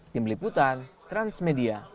tim liputan transmedia